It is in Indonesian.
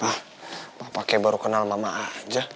pa papa kayak baru kenal mama aja